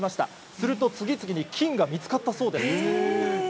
すると、次々に金が見つかったそうです。